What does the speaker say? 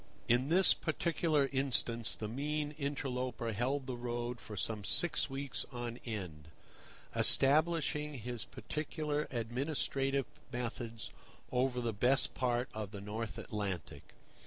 In this particular instance the mean interloper held the road for some six weeks on end, establishing his particular administrative methods over the best part of the North Atlantic.